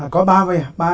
có ba vậy à